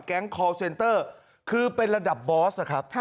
คอลเซนเตอร์คือเป็นระดับบอสนะครับ